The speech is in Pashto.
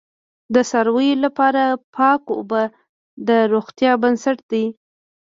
د څارویو لپاره پاک اوبه د روغتیا بنسټ دی.